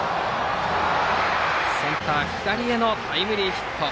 センター左へのタイムリーヒット。